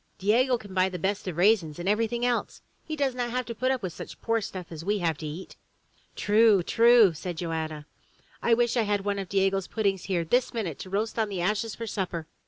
Diego can buy the best of raisins and everything else. He does not have to put up with such poor stuff as we have to eat!*' "True! True! said Joanna. "I wish I had one of Diego's puddings here this minute to roast on the ashes for supper!"